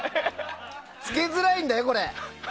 着けづらいんだよこれ。